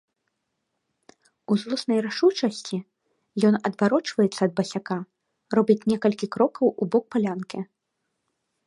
У злоснай рашучасці ён адварочваецца ад басяка, робіць некалькі крокаў у бок палянкі.